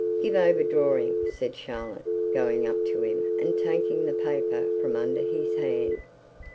'Give over drawing,' said Charlotte, going up to him and taking the paper from under his hand.